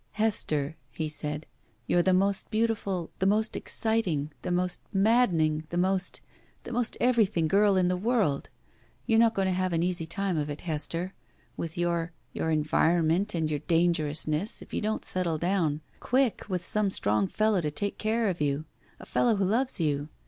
"Hester," he said, "you're the most beautiful, the most exciting, the most maddening, the most — the most everything girl in the world! You're not going to have an easy time of it, Hester, with your — ^your environment and your dangerousness, if you don't settle down — quick, with some strong feUow to take care of you. A fellow who loves you.